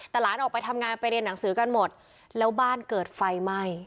แต่หลานออกไปทำงานไปเรียนหนังสือกันหมดแล้วบ้านเกิดไฟไหม้